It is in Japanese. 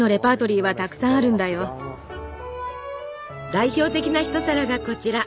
代表的な一皿がこちら。